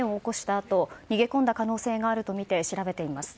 あと逃げ込んだ可能性があるとみて調べています。